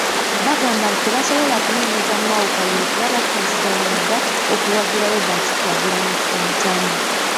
Bagamba nti tebasobola kunoonyeza Mao kalulu kuba bakkiriziganya dda okuwagira Robert Kyagulanyi Ssentamu.